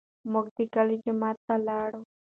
موږ د کلي جومات ته لاړو.